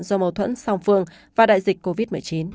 do mâu thuẫn song phương và đại dịch covid một mươi chín